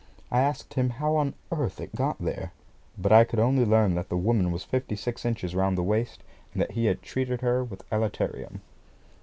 I asked him how on earth it got there; but I could only learn that the woman was fifty six inches round the waist, and that he had treated her with elaterium.